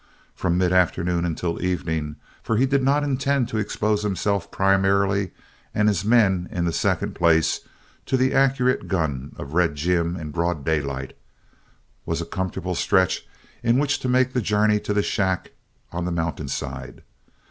From mid afternoon until evening for he did not intend to expose himself primarily and his men in the second place, to the accurate gun of Red Jim in broad daylight was a comfortable stretch in which to make the journey to the shack on the mountain side.